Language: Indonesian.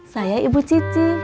saya ibu cici